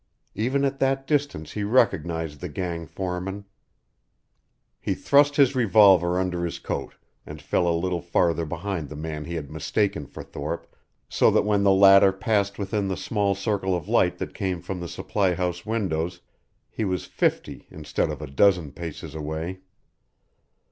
Even at that distance he recognized the gang foreman. He thrust his revolver under his coat and fell a little farther behind the man he had mistaken for Thorpe so that when the latter passed within the small circle of light that came from the supply house windows he was fifty instead of a dozen paces away.